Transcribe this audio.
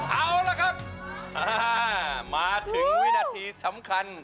เอาละครับมาถึงวินาทีสำคัญ